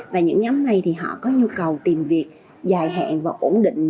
và những nhóm này thì họ có nhu cầu tìm việc dài hạn và ổn định